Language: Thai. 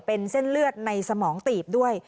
เป็นเส้นเลือดในสมองตีบด้วย